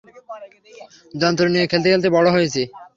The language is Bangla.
যন্ত্র নিয়ে খেলতে খেলতে বড় হয়েছি!